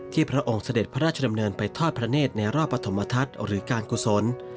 พระองค์เสด็จพระราชดำเนินไปทอดพระเนธในรอบปฐมทัศน์หรือการกุศล